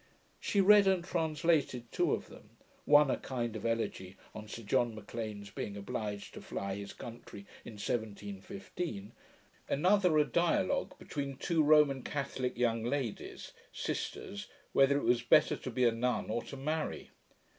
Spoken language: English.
She read and translated two of them; one, a kind of elegy on Sir John M'Lean's being obliged to fly his country in 1715; another, a dialogue between two Roman Catholick young ladies, sisters, whether it was better to be a nun or to marry.